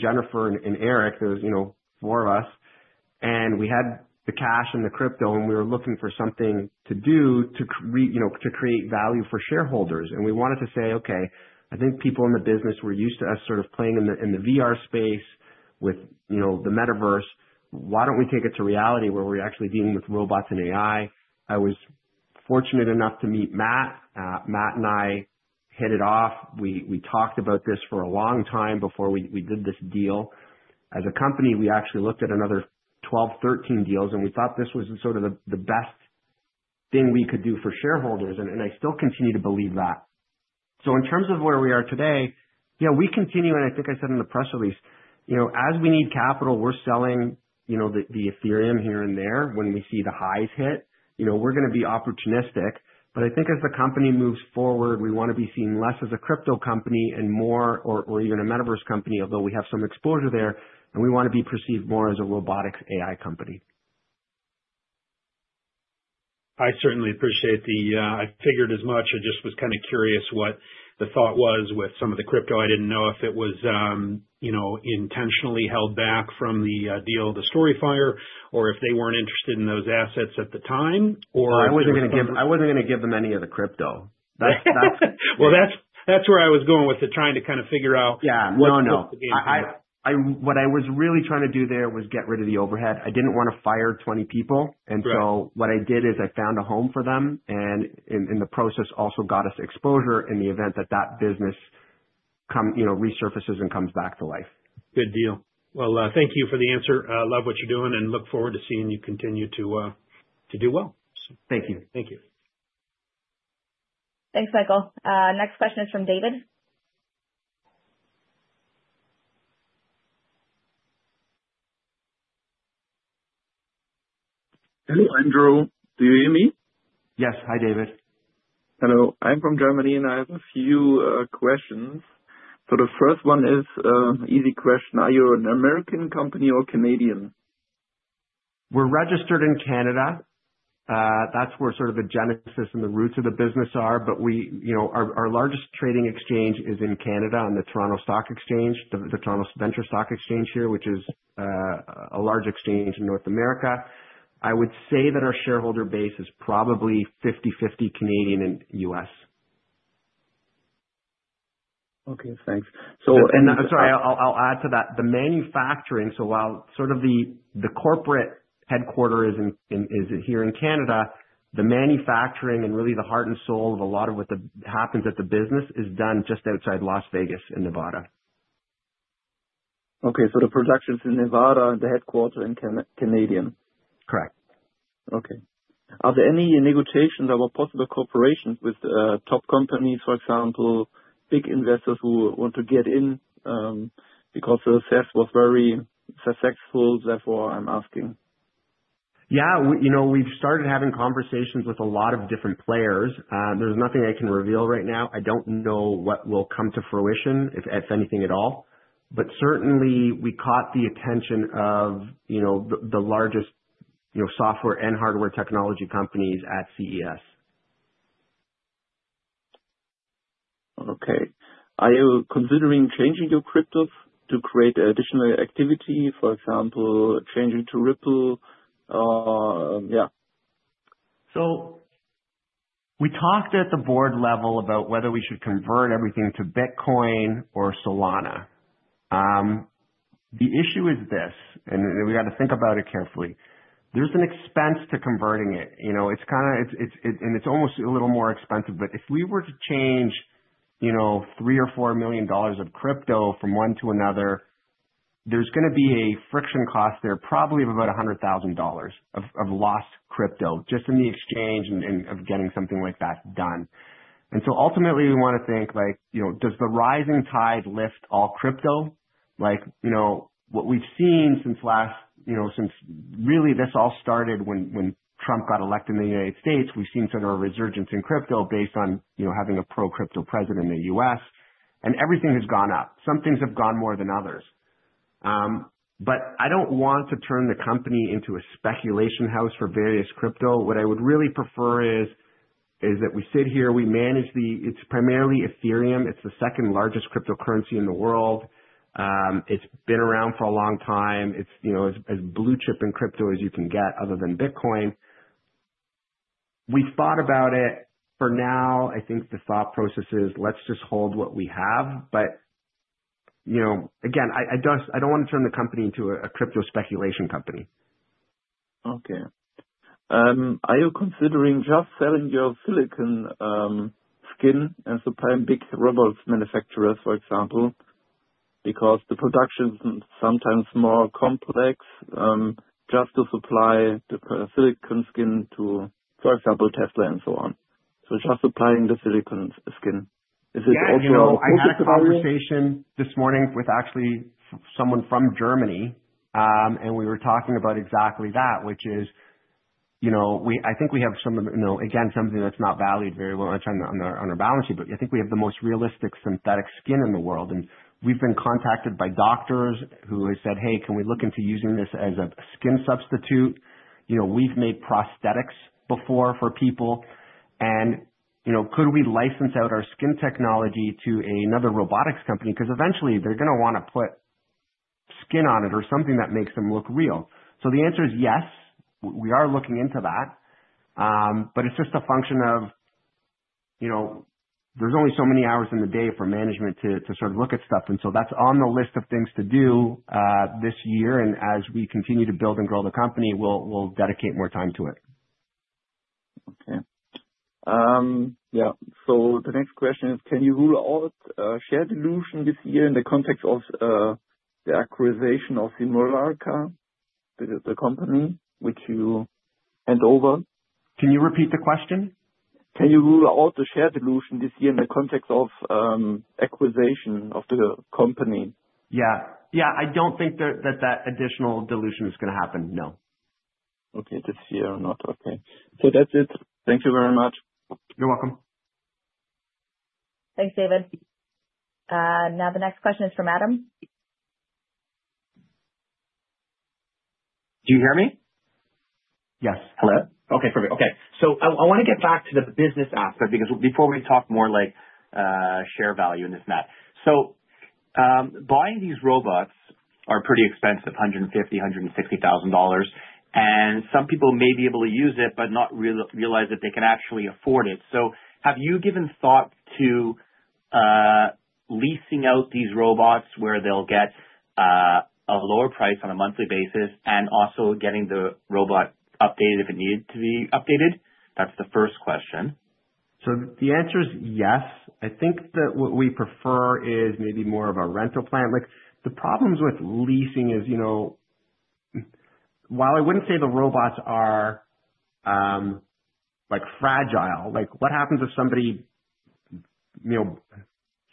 Speaker 1: Jennifer and Eric. There was four of us. And we had the cash and the crypto, and we were looking for something to do to create value for shareholders. And we wanted to say, "Okay, I think people in the business were used to us sort of playing in the VR space with the Metaverse. “Why don't we take it to reality where we're actually dealing with robots and AI?” I was fortunate enough to meet Matt. Matt and I hit it off. We talked about this for a long time before we did this deal. As a company, we actually looked at another 12, 13 deals, and we thought this was sort of the best thing we could do for shareholders. And I still continue to believe that. So in terms of where we are today, yeah, we continue, and I think I said in the press release, as we need capital, we're selling the Ethereum here and there when we see the highs hit. We're going to be opportunistic. But I think as the company moves forward, we want to be seen less as a crypto company and more or even a metaverse company, although we have some exposure there, and we want to be perceived more as a robotics AI company.
Speaker 8: I certainly appreciate that. I figured as much. I just was kind of curious what the thought was with some of the crypto. I didn't know if it was intentionally held back from the deal with StoryFire or if they weren't interested in those assets at the time, or.
Speaker 1: I wasn't going to give them any of the crypto.
Speaker 8: That's where I was going with it, trying to kind of figure out what's the game here.
Speaker 1: Yeah. No, no. What I was really trying to do there was get rid of the overhead. I didn't want to fire 20 people. And so what I did is I found a home for them and in the process also got us exposure in the event that that business resurfaces and comes back to life.
Speaker 8: Good deal. Well, thank you for the answer. I love what you're doing and look forward to seeing you continue to do well.
Speaker 1: Thank you.
Speaker 8: Thank you.
Speaker 2: Thanks, Michael. Next question is from David.
Speaker 9: Hello, Andrew. Do you hear me?
Speaker 1: Yes. Hi, David.
Speaker 9: Hello. I'm from Germany, and I have a few questions. So the first one is an easy question. Are you an American company or Canadian?
Speaker 1: We're registered in Canada. That's where sort of the genesis and the roots of the business are. But our largest trading exchange is in Canada on the TSX Venture Exchange here, which is a large exchange in North America. I would say that our shareholder base is probably 50/50 Canadian and U.S.
Speaker 9: Okay. Thanks.
Speaker 1: Sorry, I'll add to that. The manufacturing, so while sort of the corporate headquarters is here in Canada, the manufacturing and really the heart and soul of a lot of what happens at the business is done just outside Las Vegas in Nevada.
Speaker 9: Okay. So the production is in Nevada and the headquarters in Canada?
Speaker 1: Correct.
Speaker 9: Okay. Are there any negotiations about possible cooperations with top companies, for example, big investors who want to get in because the CES was very successful? Therefore, I'm asking.
Speaker 1: Yeah. We've started having conversations with a lot of different players. There's nothing I can reveal right now. I don't know what will come to fruition, if anything at all. But certainly, we caught the attention of the largest software and hardware technology companies at CES.
Speaker 9: Okay. Are you considering changing your cryptos to create additional activity, for example, changing to Ripple?
Speaker 1: Yeah. So we talked at the board level about whether we should convert everything to Bitcoin or Solana. The issue is this, and we got to think about it carefully. There's an expense to converting it. It's kind of, and it's almost a little more expensive. But if we were to change $3 million-$4 million of crypto from one to another, there's going to be a friction cost there probably of about $100,000 of lost crypto just in the exchange and of getting something like that done. And so ultimately, we want to think, does the rising tide lift all crypto? What we've seen since last, since really this all started when Trump got elected in the United States, we've seen sort of a resurgence in crypto based on having a pro-crypto president in the U.S. And everything has gone up. Some things have gone more than others. But I don't want to turn the company into a speculation house for various crypto. What I would really prefer is that we sit here, we manage the, it's primarily Ethereum. It's the second largest cryptocurrency in the world. It's been around for a long time. It's as blue chip in crypto as you can get other than Bitcoin. We've thought about it. For now, I think the thought process is let's just hold what we have. But again, I don't want to turn the company into a crypto speculation company.
Speaker 9: Okay. Are you considering just selling your silicone skin and supplying big robot manufacturers, for example, because the production is sometimes more complex just to supply the silicone skin to, for example, Tesla and so on? So just supplying the silicone skin, is it also a risk?
Speaker 1: Yeah. I had a conversation this morning with actually someone from Germany, and we were talking about exactly that, which is I think we have some, again, something that's not valued very well on our balance sheet, but I think we have the most realistic synthetic skin in the world, and we've been contacted by doctors who have said, "Hey, can we look into using this as a skin substitute?" We've made prosthetics before for people, and could we license out our skin technology to another robotics company? Because eventually, they're going to want to put skin on it or something that makes them look real, so the answer is yes. We are looking into that, but it's just a function of there's only so many hours in the day for management to sort of look at stuff, and so that's on the list of things to do this year. And as we continue to build and grow the company, we'll dedicate more time to it.
Speaker 9: Okay. Yeah. So the next question is, can you rule out share dilution this year in the context of the acquisition of Simulacra, the company, which you took over?
Speaker 1: Can you repeat the question?
Speaker 9: Can you rule out the share dilution this year in the context of acquisition of the company?
Speaker 1: Yeah. Yeah. I don't think that that additional dilution is going to happen, no.
Speaker 9: Okay. This year, not. Okay. So that's it. Thank you very much.
Speaker 1: You're welcome.
Speaker 2: Thanks, David. Now, the next question is from Adam.
Speaker 10: Do you hear me?
Speaker 1: Yes. Hello.
Speaker 10: Okay. Perfect. Okay. So I want to get back to the business aspect because before we talk more like share value in this matter. So buying these robots are pretty expensive, $150,000-$160,000. And some people may be able to use it but not realize that they can actually afford it. So have you given thought to leasing out these robots where they'll get a lower price on a monthly basis and also getting the robot updated if it needed to be updated? That's the first question.
Speaker 1: So the answer is yes. I think that what we prefer is maybe more of a rental plan. The problems with leasing is while I wouldn't say the robots are fragile, what happens if somebody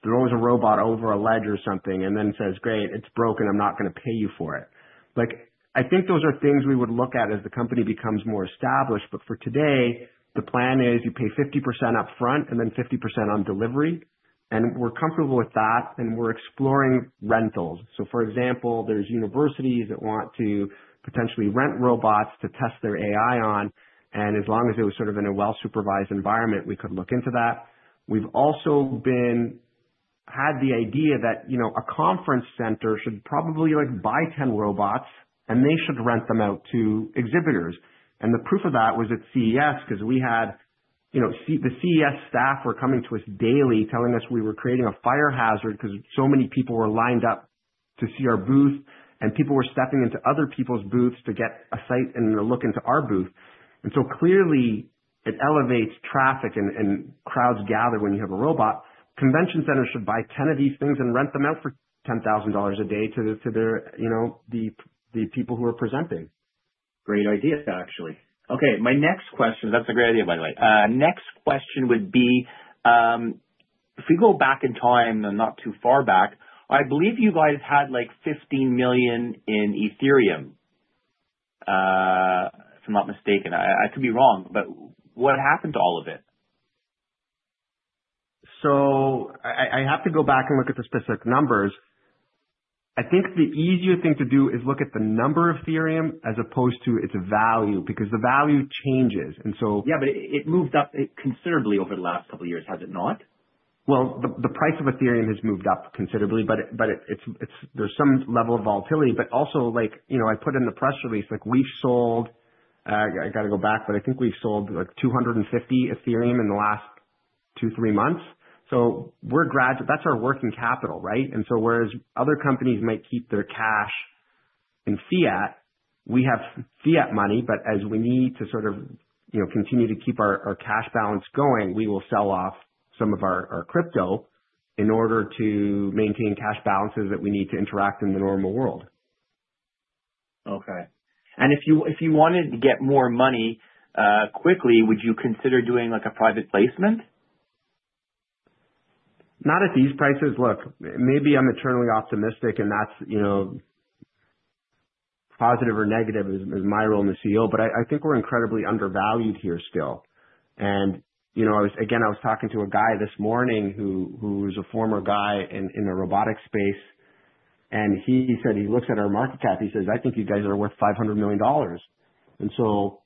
Speaker 1: throws a robot over a ledge or something and then says, "Great, it's broken. I'm not going to pay you for it"? I think those are things we would look at as the company becomes more established. But for today, the plan is you pay 50% upfront and then 50% on delivery. And we're comfortable with that, and we're exploring rentals. So for example, there's universities that want to potentially rent robots to test their AI on. And as long as it was sort of in a well-supervised environment, we could look into that. We've also had the idea that a conference center should probably buy 10 robots, and they should rent them out to exhibitors. And the proof of that was at CES because we had the CES staff were coming to us daily telling us we were creating a fire hazard because so many people were lined up to see our booth, and people were stepping into other people's booths to get a sight and look into our booth. And so clearly, it elevates traffic and crowds gather when you have a robot. Convention centers should buy 10 of these things and rent them out for $10,000 a day to the people who are presenting.
Speaker 10: Great idea, actually. Okay. My next question, that's a great idea, by the way. Next question would be, if we go back in time and not too far back, I believe you guys had like 15 million in Ethereum, if I'm not mistaken. I could be wrong, but what happened to all of it?
Speaker 1: I have to go back and look at the specific numbers. I think the easier thing to do is look at the number of Ethereum as opposed to its value because the value changes.
Speaker 10: Yeah, but it moved up considerably over the last couple of years, has it not?
Speaker 1: The price of Ethereum has moved up considerably, but there's some level of volatility. But also, I put in the press release, we've sold, I got to go back, but I think we've sold like 250 Ethereum in the last two, three months. So that's our working capital, right? And so whereas other companies might keep their cash in fiat, we have fiat money. But as we need to sort of continue to keep our cash balance going, we will sell off some of our crypto in order to maintain cash balances that we need to interact in the normal world.
Speaker 10: Okay. And if you wanted to get more money quickly, would you consider doing a private placement?
Speaker 1: Not at these prices. Look, maybe I'm eternally optimistic, and that's positive or negative is my role as the CEO, but I think we're incredibly undervalued here still. And again, I was talking to a guy this morning who is a former guy in the robotics space, and he said he looks at our market cap. He says, "I think you guys are worth $500 million." And so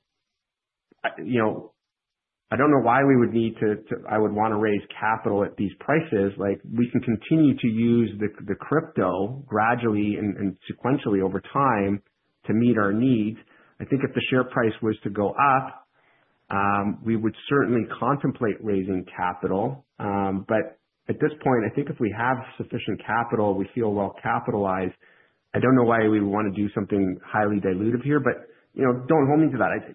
Speaker 1: I don't know why we would need to. I would want to raise capital at these prices. We can continue to use the crypto gradually and sequentially over time to meet our needs. I think if the share price was to go up, we would certainly contemplate raising capital. But at this point, I think if we have sufficient capital, we feel well-capitalized. I don't know why we would want to do something highly dilutive here, but don't hold me to that.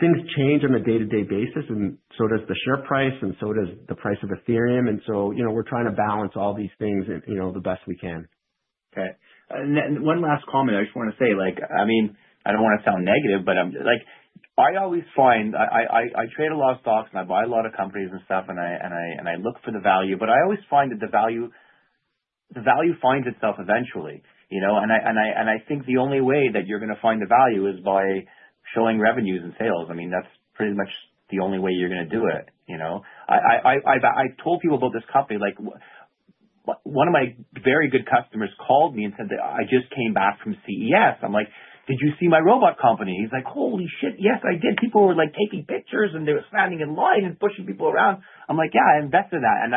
Speaker 1: Things change on a day-to-day basis, and so does the share price, and so does the price of Ethereum, and so we're trying to balance all these things the best we can.
Speaker 10: Okay, and one last comment I just want to say. I mean, I don't want to sound negative, but I always find I trade a lot of stocks, and I buy a lot of companies and stuff, and I look for the value, but I always find that the value finds itself eventually, and I think the only way that you're going to find the value is by showing revenues and sales. I mean, that's pretty much the only way you're going to do it. I told people about this company. One of my very good customers called me and said, "I just came back from CES." I'm like, "Did you see my robot company?" He's like, "Holy shit. Yes, I did." People were taking pictures, and they were standing in line and pushing people around. I'm like, "Yeah, I invested in that." And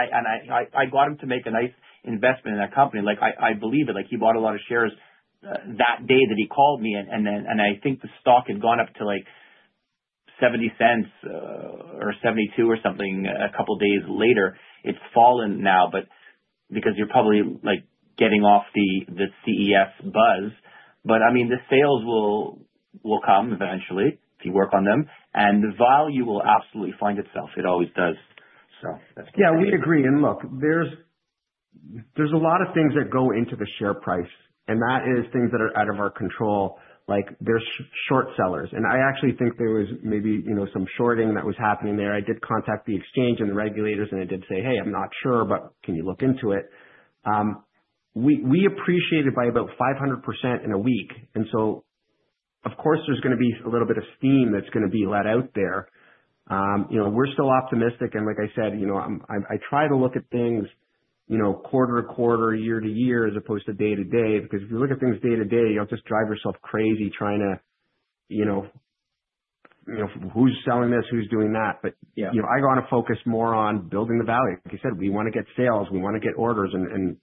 Speaker 10: I got him to make a nice investment in that company. I believe it. He bought a lot of shares that day that he called me. And I think the stock had gone up to like 0.70 or 0.72 or something a couple of days later. It's fallen now because you're probably getting off the CES buzz. But I mean, the sales will come eventually if you work on them. And the value will absolutely find itself. It always does. So that's good.
Speaker 1: Yeah, we agree. And look, there's a lot of things that go into the share price, and that is things that are out of our control. There's short sellers. And I actually think there was maybe some shorting that was happening there. I did contact the exchange and the regulators, and I did say, "Hey, I'm not sure, but can you look into it?" We appreciated by about 500% in a week. And so, of course, there's going to be a little bit of steam that's going to be let out there. We're still optimistic. And like I said, I try to look at things quarter to quarter, year to year as opposed to day to day because if you look at things day to day, you'll just drive yourself crazy trying to who's selling this, who's doing that. But I got to focus more on building the value. Like I said, we want to get sales. We want to get orders and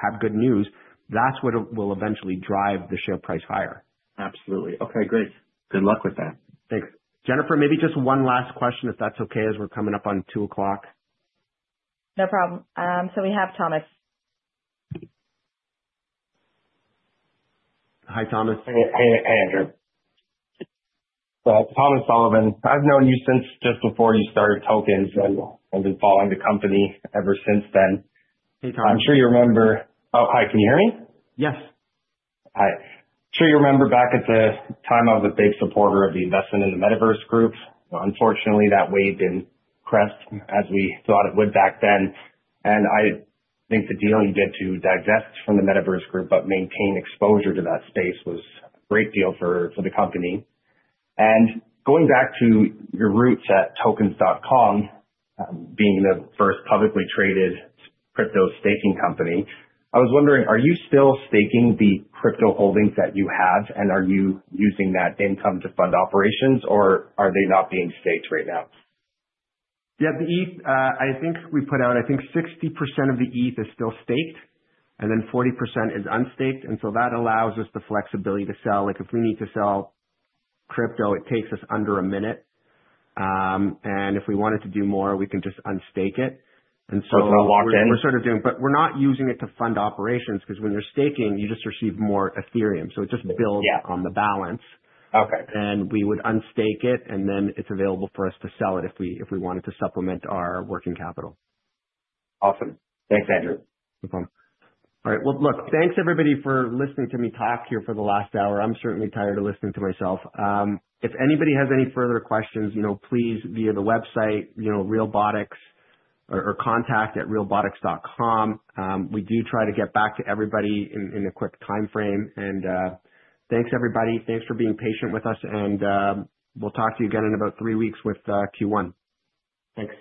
Speaker 1: have good news. That's what will eventually drive the share price higher.
Speaker 10: Absolutely. Okay. Great. Good luck with that.
Speaker 1: Thanks. Jennifer, maybe just one last question if that's okay as we're coming up on 2:00 P.M.
Speaker 2: No problem. So we have Thomas.
Speaker 1: Hi, Thomas.
Speaker 11: Hey, Andrew. So I'm Thomas Sullivan. I've known you since just before you started Tokens and been following the company ever since then.
Speaker 1: Hey, Thomas.
Speaker 11: I'm sure you remember. Oh, hi. Can you hear me?
Speaker 1: Yes.
Speaker 11: Hi. I'm sure you remember back at the time I was a big supporter of the investment in the Metaverse Group. Unfortunately, that wave and crest as we thought it would back then, and I think the deal you did to divest from the Metaverse Group but maintain exposure to that space was a great deal for the company, and going back to your roots at Tokens.com, being the first publicly traded crypto staking company, I was wondering, are you still staking the crypto holdings that you have, and are you using that income to fund operations, or are they not being staked right now?
Speaker 1: Yeah. I think about 60% of the ETH is still staked, and then 40% is unstaked, so that allows us the flexibility to sell. If we need to sell crypto, it takes us under a minute, if we wanted to do more, we can just unstake it, so.
Speaker 11: Oh, so locked in?
Speaker 1: We're sort of doing, but we're not using it to fund operations because when you're staking, you just receive more Ethereum. So it just builds on the balance. And we would unstake it, and then it's available for us to sell it if we wanted to supplement our working capital.
Speaker 11: Awesome. Thanks, Andrew.
Speaker 1: No problem. All right. Well, look, thanks, everybody, for listening to me talk here for the last hour. I'm certainly tired of listening to myself. If anybody has any further questions, please via the website, Realbotix, or contact@realbotix.com. We do try to get back to everybody in a quick time frame. And thanks, everybody. Thanks for being patient with us. And we'll talk to you again in about three weeks with Q1. Thanks.